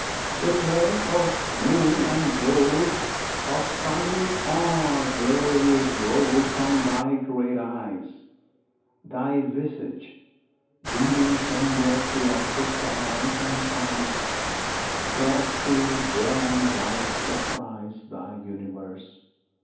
Silver of moon and gold Of sun are glories rolled From Thy great eyes; Thy visage, beaming tender Throughout the stars and skies, Doth to warm life surprise Thy Universe.